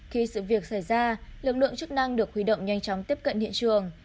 khi sự việc xảy ra lực lượng chức năng được huy động nhanh chóng tiếp cận hiện trường